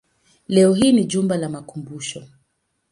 Leo hii ni jumba la makumbusho.